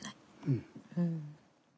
うん。